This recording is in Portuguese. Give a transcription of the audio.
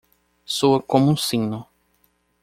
Soa como um sino.